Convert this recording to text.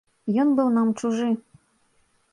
Ён быў нам чужы.